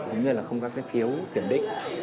cũng như là không có cái phiếu kiểm định